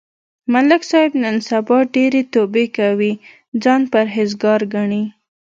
ملک صاحب نن سبا ډېرې توبې کوي، ځان پرهېز گار گڼي.